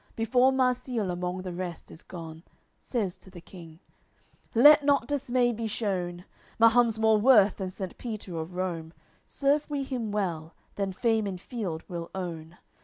Before Marsile among the rest is gone, Says to the King: "Let not dismay be shewn! Mahum's more worth than Saint Peter of Rome; Serve we him well, then fame in field we'll own.